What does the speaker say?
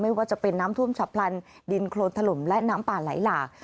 ว่าจะเป็นน้ำท่วมฉับพลันดินโครนถล่มและน้ำป่าไหลหลาก